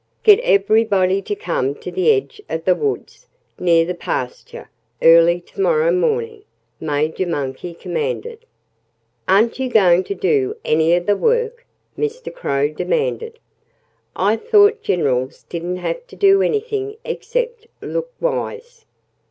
"Get everybody to come to the edge of the woods, near the pasture, early to morrow morning," Major Monkey commanded. "Aren't you going to do any of the work?" Mr. Crow demanded. "I thought generals didn't have to do anything except look wise."